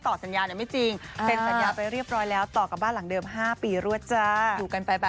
ก็เลยอยากจะขอปรับเรื่องมือจากพี่ทุกคนนะคะ